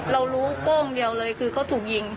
เรารู้โป้งเดียวเลยคือเขาถูกยิง